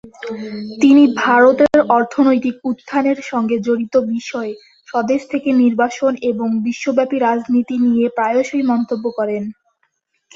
তিনি ভারতের অর্থনৈতিক উত্থানের সঙ্গে জড়িত বিষয়, স্বদেশ থেকে নির্বাসন এবং বিশ্বব্যাপী রাজনীতি নিয়ে প্রায়শই মন্তব্য করেন।